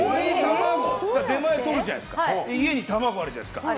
出前を取るじゃないですか家に届くじゃないですか。